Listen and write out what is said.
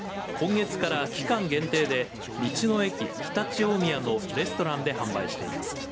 今月から期間限定で「道の駅常陸大宮」のレストランで販売しています。